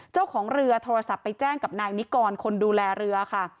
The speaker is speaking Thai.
เจ้าของเรือโทรศัพท์ไปแจ้งกับนายนิกรคนดูแลเรือค่ะ